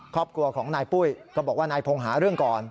ครอบครัวของนายปุ้ยก็บอกว่านายพงศ์หาเรื่องก่อน